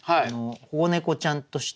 保護猫ちゃんとして。